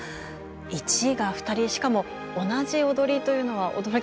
１位が２人しかも同じ踊りというのは驚きましたね。